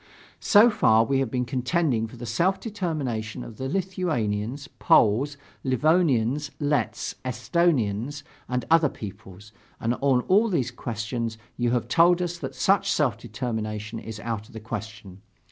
"So far we have been contending for the self determination of the Lithuanians, Poles, Livonians, Letts, Esthonians, and other peoples; and on all these issues you have told us that such self determination is out of the question.